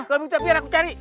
kalau begitu biar aku cari